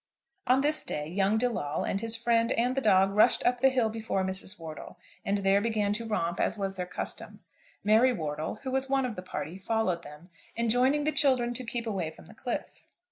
On this day young De Lawle and his friend and the dog rushed up the hill before Mrs. Wortle, and there began to romp, as was their custom. Mary Wortle, who was one of the party, followed them, enjoining the children to keep away from the cliff.